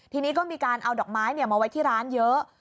ทีนี้ก็มีการเอาดอกไม้มาไว้ที่ร้านเยอะ